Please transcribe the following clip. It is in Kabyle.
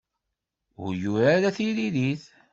Ur yuri ara tiririt.